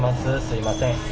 すみません。